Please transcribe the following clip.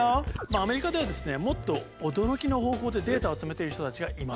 アメリカではですねもっと驚きの方法でデータを集めている人たちがいます。